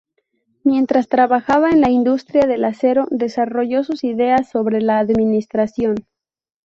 Mientras trabajaba en la industria del acero, desarrolló sus ideas sobre la administración.